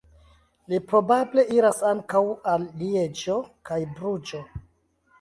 Li probable iras ankaŭ al Lieĝo kaj Bruĝo.